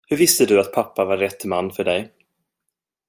Hur visste du att pappa var rätt man för dig?